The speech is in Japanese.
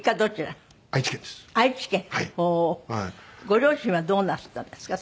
ご両親はどうなすったんですか？